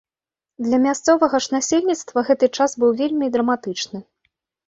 Для мясцовага ж насельніцтва гэты час быў вельмі драматычны.